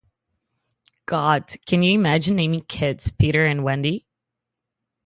God, can you imagine naming kids Peter and Wendy?